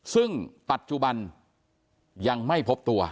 ซึ่งปัจจุบันยังไม่พบตัว